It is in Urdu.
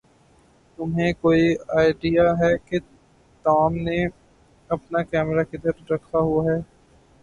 تمھیں کوئی آئڈیا ہے کہ ٹام نے اپنا کیمرہ کدھر دکھا ہوا ہے؟